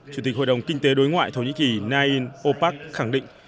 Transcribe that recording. chủ tịch hội đồng kinh tế đối ngoại thổ nhĩ kỳ nain opark khẳng định